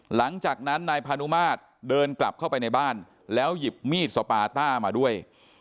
หลังจากนั้นนายพานุมาตรเดินกลับเข้าไปในบ้านแล้วหยิบมีดสปาต้ามาด้วย